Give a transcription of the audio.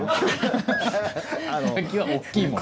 「滝」は大きいもの？